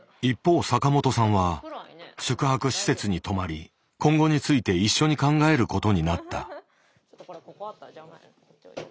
一方坂本さんは宿泊施設に泊まり今後について一緒に考えることになった。